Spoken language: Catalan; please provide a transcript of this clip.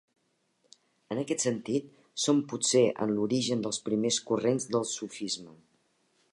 En aquest sentit, són potser en l'origen dels primers corrents del sufisme.